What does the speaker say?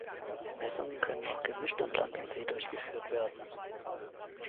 Messungen können auch gemischt an Land und See durchgeführt werden.